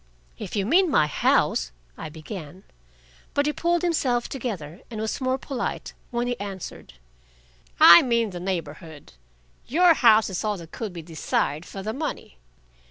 "If you mean my house " I began. But he had pulled himself together and was more polite when he answered. "I mean the neighborhood. Your house is all that could be desired for the money.